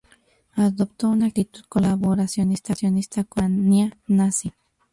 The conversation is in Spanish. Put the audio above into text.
Adoptó una actitud colaboracionista con la Alemania nazi.